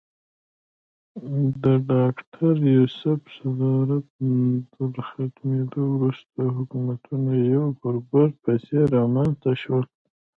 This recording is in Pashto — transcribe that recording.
د ډاکټر یوسف صدارت تر ختمېدو وروسته حکومتونه یو پر بل پسې رامنځته شول.